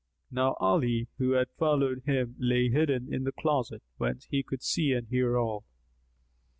(Now Ali, who had followed him lay hidden in a closet whence he could see and hear all.)